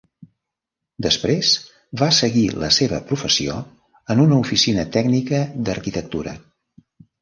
Després va seguir la seva professió en una oficina tècnica d'arquitectura.